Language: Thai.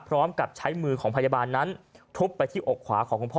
พร้อมกับใช้มือของพยาบาลนั้นทุบไปที่อกขวาของคุณพ่อ